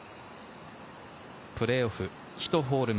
プレーオフ、１ホール目。